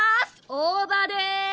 大葉です！